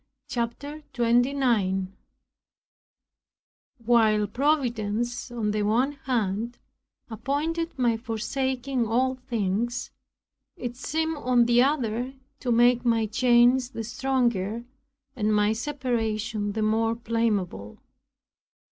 CHAPTER 29 While providence, on the one hand, appointed my forsaking all things, it seemed on the other to make my chains the stronger, and my separation the more blameable.